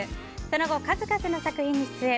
その後、数々の作品に出演。